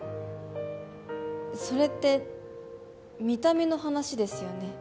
それって見た目の話ですよね？